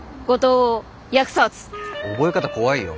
覚え方怖いよ。